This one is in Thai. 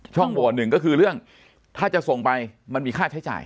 โหวตหนึ่งก็คือเรื่องถ้าจะส่งไปมันมีค่าใช้จ่าย